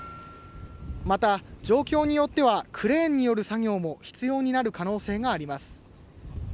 また状況によってはクレーンによる作業も必要になる可能性があります。